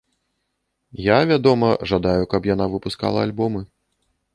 Я, вядома, жадаю, каб яна выпускала альбомы.